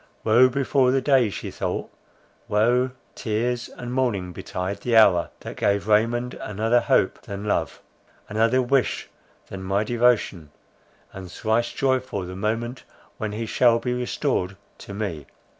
Woe befall the day, she thought, woe, tears, and mourning betide the hour, that gave Raymond another hope than love, another wish than my devotion; and thrice joyful the moment when he shall be restored to me!